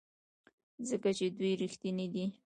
ځکه چې دوی ریښتیني دي.